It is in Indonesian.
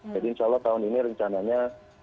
jadi insyaallah tahun ini rencananya